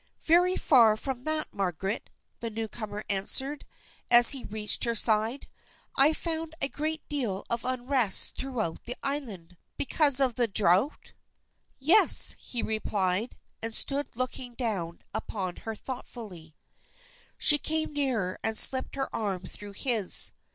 "Very far from that, Margaret," the newcomer answered, as he reached her side. "I've found a great deal of unrest throughout the island." "Because of the drought?" "Yes," he replied, and stood looking down upon her thoughtfully. She came nearer and slipped her arm through his.